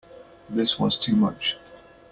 This was too much.